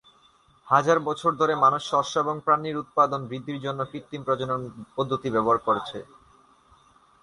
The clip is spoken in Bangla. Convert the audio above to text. হাজার বছর ধরে মানুষ শস্য এবং প্রাণীর উৎপাদন বৃদ্ধির জন্য কৃত্রিম প্রজনন পদ্ধতি ব্যবহার করেছে।